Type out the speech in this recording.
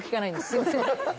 すみません。